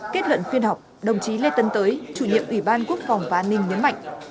kết luận khuyên học đồng chí lê tân tới chủ nhiệm ủy ban quốc phòng và an ninh nhấn mạnh